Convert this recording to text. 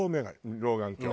老眼鏡。